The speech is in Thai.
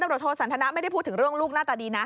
ตำรวจโทสันทนะไม่ได้พูดถึงเรื่องลูกหน้าตาดีนะ